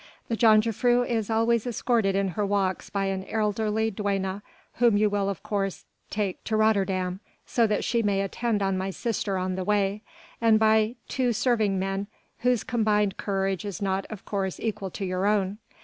The jongejuffrouw is always escorted in her walks by an elderly duenna whom you will of course take to Rotterdam, so that she may attend on my sister on the way, and by two serving men whose combined courage is not, of course, equal to your own.